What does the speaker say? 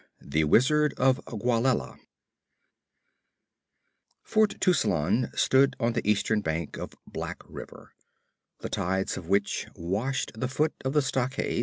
2 The Wizard of Gwawela Fort Tuscelan stood on the eastern bank of Black River, the tides of which washed the foot of the stockade.